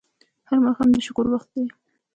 هر ماښام د شکر وخت دی